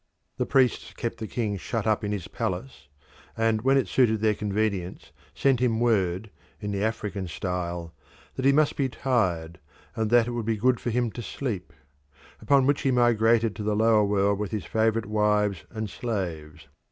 The priests kept the king shut up in his palace and when it suited their convenience sent him word, in the African style, that he must be tired and that it would be good for him to sleep; upon which he migrated to the lower world with his favourite wives and slaves.